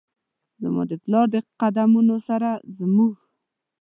زما د پلار د قد مونو سره زموږ،